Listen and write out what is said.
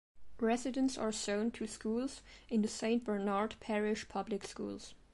Residents are zoned to schools in the Saint Bernard Parish Public Schools.